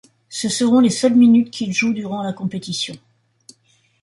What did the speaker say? Ce seront les seules minutes qu'il joue durant la compétition.